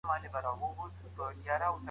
دا یو اختر به راته دوه اختره سینه